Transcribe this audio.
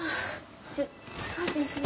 ちょっカーテン閉めて。